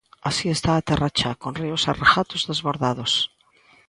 Así está a Terra Chá, con ríos e regatos desbordados.